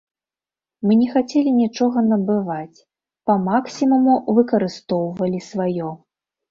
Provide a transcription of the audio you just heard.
Мы не хацелі нічога набываць, па максімуму выкарыстоўвалі сваё.